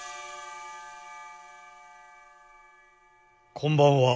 こんばんは。